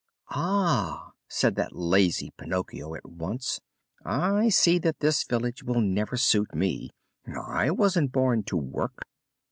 "Ah!" said that lazy Pinocchio at once, "I see that this village will never suit me! I wasn't born to work!"